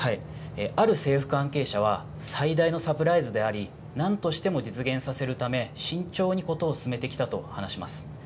ある政府関係者は、最大のサプライズであり、なんとしても実現させるため、慎重にことを進めてきたと話します。